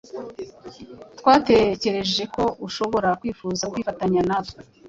Twatekereje ko ushobora kwifuza kwifatanya natwe.